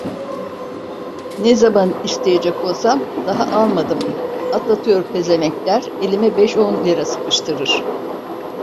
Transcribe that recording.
Ne zaman isteyecek olsam: "Daha almadım… Atlatıyor pezevenk!" der, elime beş on lira sıkıştırır…